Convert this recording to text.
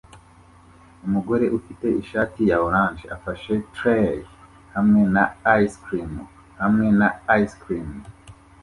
Umugore ufite ishati ya orange afashe trey hamwe na ice cream hamwe na ice cream